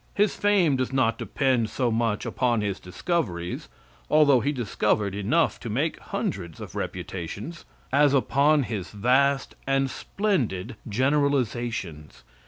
His fame does not depend so much upon his discoveries (although he discovered enough to make hundreds of reputations) as upon his vast and splendid generalizations.